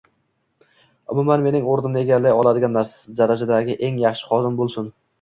umuman, mening o‘rnimni egallay oladigan darajadagi eng yaxshi xodim bo‘lsin.